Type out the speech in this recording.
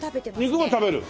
肉も食べる？